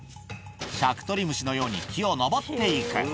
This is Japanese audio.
しゃくとり虫のように木を登っていく。